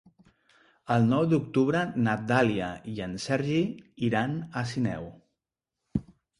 El nou d'octubre na Dàlia i en Sergi iran a Sineu.